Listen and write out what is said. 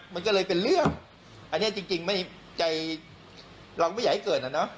มันก็เลยเป็นเรื่องอันนี้จริงใจเราไม่อยากให้เกิดอะเนาะ